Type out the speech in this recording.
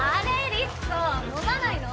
リツコ飲まないの？